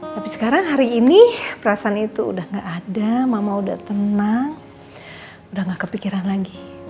tapi sekarang hari ini perasaan itu udah gak ada mama udah tenang udah gak kepikiran lagi